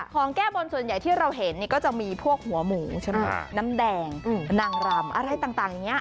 แก้บนส่วนใหญ่ที่เราเห็นก็จะมีพวกหัวหมูใช่ไหมน้ำแดงนางรำอะไรต่างอย่างนี้